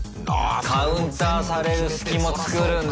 カウンターされる隙も作るんだ！